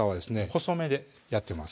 細めでやってます